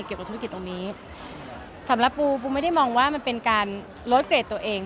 เกี่ยวกับธุรกิจตรงนี้สำหรับปูปูไม่ได้มองว่ามันเป็นการลดเกรดตัวเอง